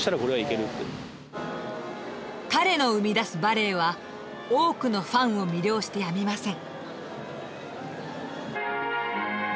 彼の生み出すバレエは多くのファンを魅了してやみません